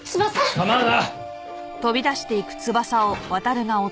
構うな！